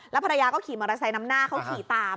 ภรรยาก็ขี่มอเตอร์ไซค์นำหน้าเขาขี่ตาม